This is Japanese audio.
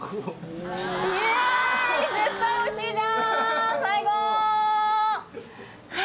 絶対おいしいじゃん最高！